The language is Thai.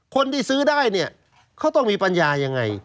คนที่ซื้อได้เนี่ยเขาต้องมีปัญญายังไง